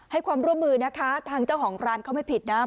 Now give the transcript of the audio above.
ให้ความร่วมมือนะคะทางเจ้าของร้านเขาไม่ผิดนะ